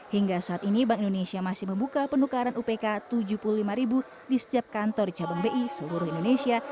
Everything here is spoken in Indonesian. hingga saat ini bank indonesia masih membuka penukaran upk rp tujuh puluh lima di setiap kantor cabang bi seluruh indonesia